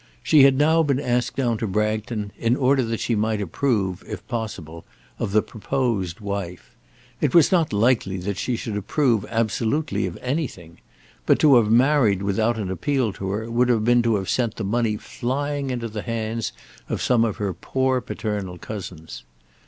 She had now been asked down to Bragton in order that she might approve, if possible, of the proposed wife. It was not likely that she should approve absolutely of anything; but to have married without an appeal to her would have been to have sent the money flying into the hands of some of her poor paternal cousins.